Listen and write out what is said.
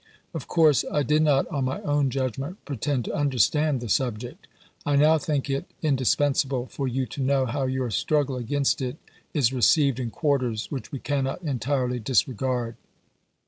Of course I did not on my own judgment pretend to understand the subject. I now think it indispensable for you to know how your struggle against it is received in quarters which we cannot entirely disregard.